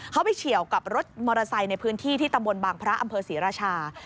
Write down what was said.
เขาไปเฉียวกับรถมอเตอร์ไซค์ในพื้นที่ที่ตำบลบางพระอำเภอศรีราชา